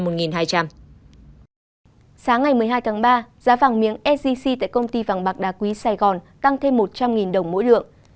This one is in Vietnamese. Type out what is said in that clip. sáng ngày một mươi hai tháng ba giá vàng miếng sgc tại công ty vàng bạc đa quý sài gòn tăng thêm một trăm linh đồng mỗi lượng